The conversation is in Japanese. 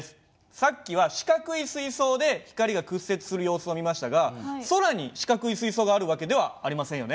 さっきは四角い水槽で光が屈折する様子を見ましたが空に四角い水槽がある訳ではありませんよね。